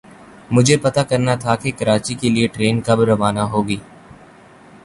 مجھے پتا کرنا تھا کے کراچی کےلیے ٹرین کب روانہ ہو گی۔